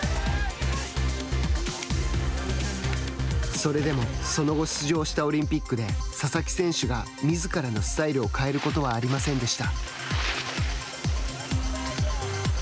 それでも、その後出場したオリンピックで佐々木選手がみずからのスタイルを変えることはありませんでした。